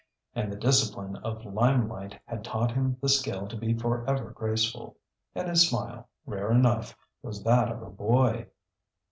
And the discipline of lime light had taught him the skill to be forever graceful. And his smile, rare enough, was that of a boy.